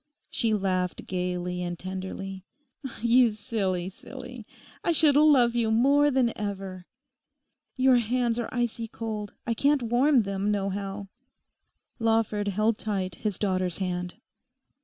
She laughed gaily and tenderly. 'You silly silly; I should love you more than ever. Your hands are icy cold. I can't warm them nohow.' Lawford held tight his daughter's hand.